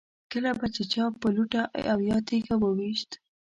کله به چې چا په لوټه او یا تیږه و ویشت.